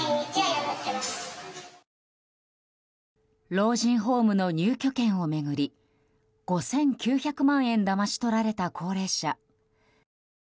老人ホームの入居権を巡り５９００万円をだまし取られた高齢者。